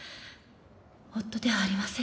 夫ではありませんでした。